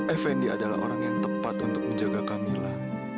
effendi adalah orang yang tepat untuk menjaga camillah